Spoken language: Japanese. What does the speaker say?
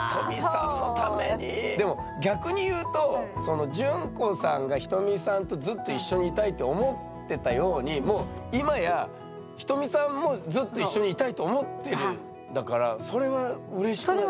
でも逆にいうとその淳子さんがひとみさんとずっと一緒にいたいと思ってたようにもう今やひとみさんもずっと一緒にいたいと思ってるんだからそれはうれしくないですか？